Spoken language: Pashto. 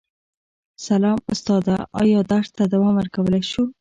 سلام استاده ایا درس ته دوام ورکولی شو